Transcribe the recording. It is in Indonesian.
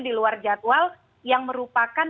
diluar jadwal yang merupakan